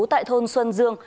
tại thôn xuân dương